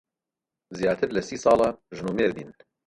زیاتر لە سی ساڵە ژن و مێردین.